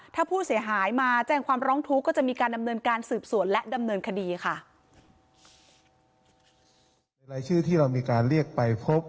ถ้าผู้เสียหายมาแจ้งความร้องทุกข์ก็จะมีการดำเนินการสืบสวนและดำเนินคดีค่ะ